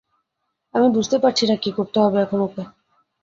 আমি বুঝতে পারছি না কি করতে হবে এখন ওকে।